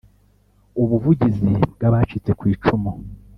Ubuvugizi bw Abacitse Ku Icumu